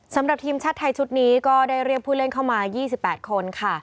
สำหรับทีมชาติไทยชุดนี้ก็ได้เรียกผู้เล่นเข้ามา๒๘คนค่ะ